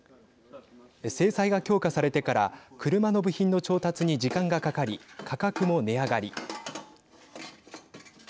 制裁が強化されてから車の部品の調達に時間がかかり価格も値上がり。